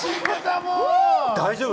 大丈夫？